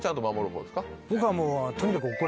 僕はもうとにかく。